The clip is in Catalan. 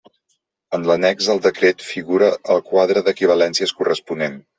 En l'annex al decret figura el quadre d'equivalències corresponent.